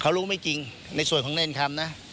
เขารู้ไม่จริงในส่วนของเนรคำนะ